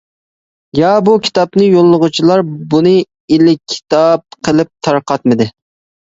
يا بۇ كىتابنى يوللىغۇچىلار بۇنى ئېلكىتاب قىلىپ تارقاتمىدى.